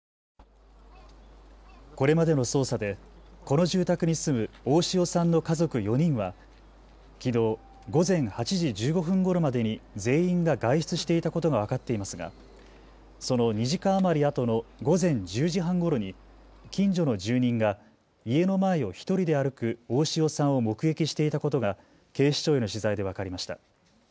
これまでの捜査でこの住宅に住む大塩さんの家族４人はきのう午前８時１５分ごろまでに全員が外出していたことが分かっていますがその２時間余りあとの午前１０時半ごろに近所の住人が家の前を１人で歩く大塩さんを目撃していたことが警視庁への取材で分かりました。